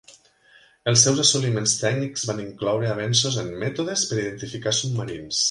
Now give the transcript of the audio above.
Els seus assoliments tècnics van incloure avenços en mètodes per identificar submarins.